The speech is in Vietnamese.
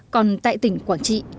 còn tại tỉnh quảng ngã